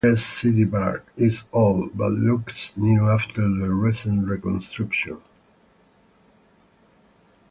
Brest City Park is old, but looks new after the recent reconstruction.